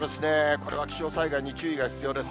これは気象災害に注意が必要です。